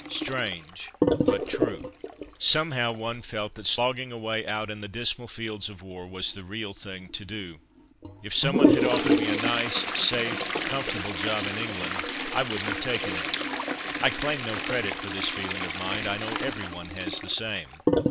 Strange, but true. Somehow one felt that slogging away out in the dismal fields of war was the real thing to do. If some one had offered me a nice, safe, comfortable job in England, I wouldn't have taken it. I claim no credit for this feeling of mine. I know every one has the same.